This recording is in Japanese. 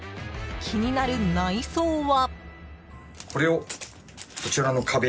気になる内装は］